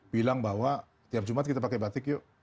bilang bahwa tiap jumat kita pakai batik yuk